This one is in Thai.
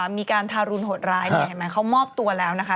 มีการทารุณหดร้ายเขามอบตัวแล้วนะคะ